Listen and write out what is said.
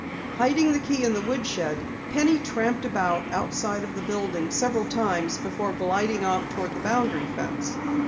Hiding the key in the woodshed, Penny tramped about the outside of the building several times before gliding off toward the boundary fence.